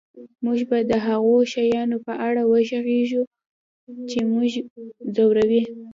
موږ به د هغو شیانو په اړه وغږیږو چې موږ ځوروي